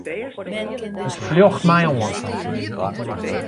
It fljocht my oan.